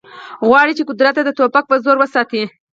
غواړي چې قدرت د ټوپک په زور وساتي